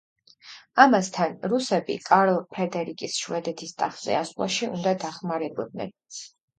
ამასთან, რუსები კარლ ფრედერიკს შვედეთის ტახტზე ასვლაში უნდა დახმარებოდნენ.